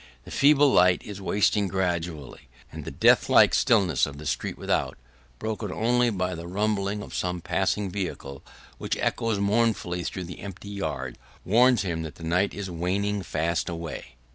The feeble light is wasting gradually, and the deathlike stillness of the street without, broken only by the rumbling of some passing vehicle which echoes mournfully through the empty yards, warns him that the night is waning fast away.